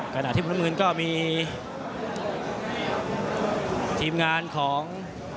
ขณะที่น้ำเงินก็มีทีมงานของ